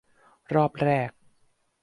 รอบแรก